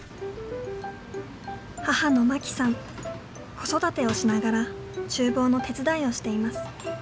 子育てをしながら厨房の手伝いをしています。